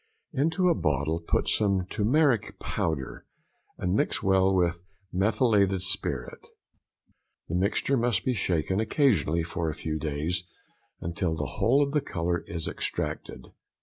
Into a bottle put some turmeric powder, and mix well with methylated spirit; the mixture must be shaken occasionally for a few days until the whole of the colour is extracted.